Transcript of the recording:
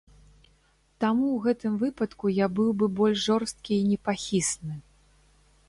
Таму ў гэтым выпадку я быў бы больш жорсткі і непахісны.